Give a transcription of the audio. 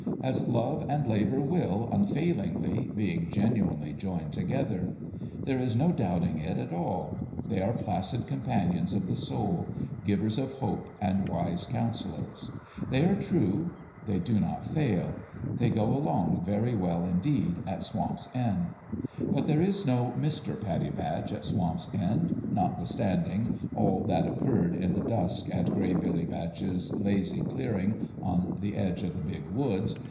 As love and labour will, unfailingly, being genuinely joined together. There is no doubting it at all : they are placid companions of the soul givers of hope and wise counsellors. They are true : they do not fail. They go along very well, indeed, at Swamp's End ; but there is no Mister Pattie Batch at Swamp's End, notwithstanding all that occurred in the dusk at Gray Billy Batch's lazy clearing on the edge of the big woods.